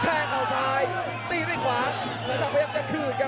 พนักเพชรต้องกรพยายามจะคืนครับ